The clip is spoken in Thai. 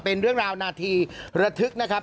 เป็นเรื่องราวนาทีระทึกนะครับ